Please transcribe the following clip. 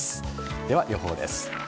では予報です。